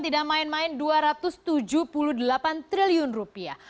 tidak main main dua ratus tujuh puluh delapan triliun rupiah